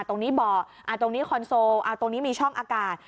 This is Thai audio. ตรงนี้เบาะตรงนี้คอนโซลตรงนี้มีช่องอากาศ